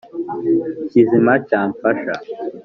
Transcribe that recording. kizima cyamfasha.